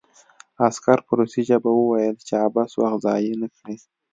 عسکر په روسي ژبه وویل چې عبث وخت ضایع نه کړي